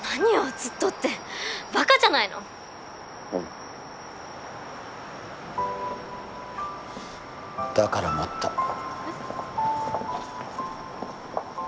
ずっとってバカじゃないの⁉うんだから待ったえっ？